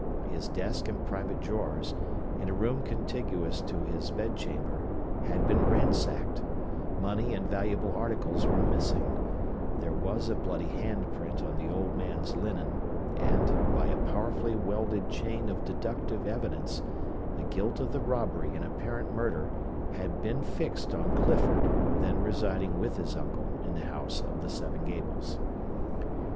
His desk and private drawers, in a room contiguous to his bedchamber, had been ransacked; money and valuable articles were missing; there was a bloody hand print on the old man's linen; and, by a powerfully welded chain of deductive evidence, the guilt of the robbery and apparent murder had been fixed on Clifford, then residing with his uncle in the House of the Seven Gables.